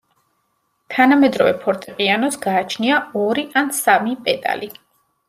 თანამედროვე ფორტეპიანოს გააჩნია ორი ან სამი პედალი.